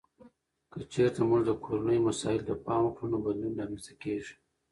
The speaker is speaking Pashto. که چیرته موږ د کورنیو مسایلو ته پام وکړو، نو بدلون رامنځته کیږي.